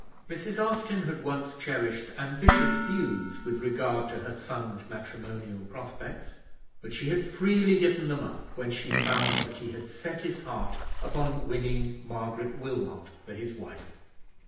Mrs. Austin had once cherished ambitious views with regard to her son's matrimonial prospects; but she had freely given them up when she found that he had set his heart upon winning Margaret Wilmot for his wife.